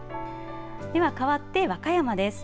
では、かわって和歌山です。